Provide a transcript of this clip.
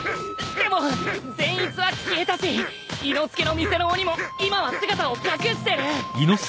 でも善逸は消えたし伊之助の店の鬼も今は姿を隠してる。